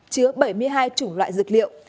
chứa bảy mươi hai chủng loại dược liệu